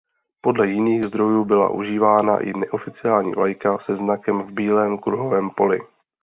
Podle jiných zdrojů byla užívána i neoficiální vlajka se znakem v bílém kruhovém poli.